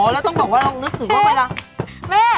อ๋อแล้วต้องบอกว่านึกถึงว่าเมื่อละ